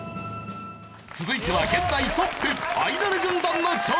続いては現在トップアイドル軍団の挑戦！